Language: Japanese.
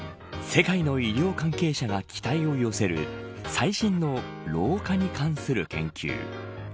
世界の医療関係者が期待を寄せる最新の老化に関する研究。